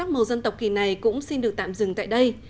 các mẫu dân tộc kỳ này cũng xin được tạm dừng tại đây